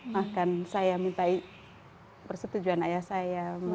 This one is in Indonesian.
bahkan saya minta persetujuan ayah saya